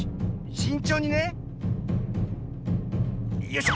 しんちょうにね。よいしょ。